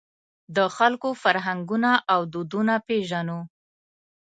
د خلکو فرهنګونه او دودونه پېژنو.